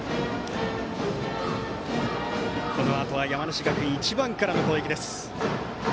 このあとは山梨学院１番からの攻撃。